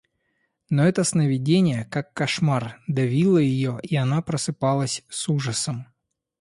Но это сновидение, как кошмар, давило ее, и она просыпалась с ужасом.